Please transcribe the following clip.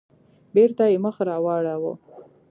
بېرته يې مخ راواړاوه.